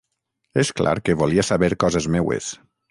És clar que volia saber coses meues.